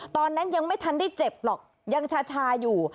ตอนนั้นยังไม่ทันได้เจ็บหรอกยังชาอยู่